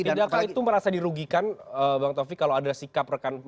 tidak kalau itu merasa dirugikan bang taufik kalau ada sikap rekan rekan